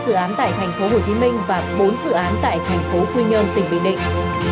một dự án tại thành phố hồ chí minh và bốn dự án tại thành phố quy nhơn tỉnh bình định